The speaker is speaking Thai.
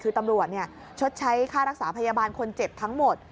คือตำรวจชดใช้ค่ารักษาพยาบาลคนเจ็บทั้งหมด